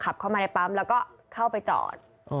เข้ามาในปั๊มแล้วก็เข้าไปจอด